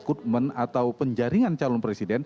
kandidat yang pertama adalah eleksi